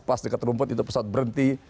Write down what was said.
pas dekat rumput itu pesawat berhenti